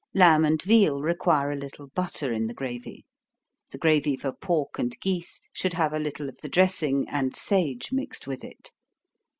Lamb and veal require a little butter in the gravy. The gravy for pork and geese, should have a little of the dressing, and sage, mixed with it.